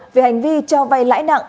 về hành vi cho vay lãi nặng